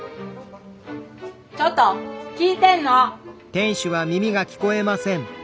ちょっと聞いてんの！？